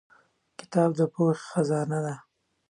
کتاب د پوهې خزانه ده.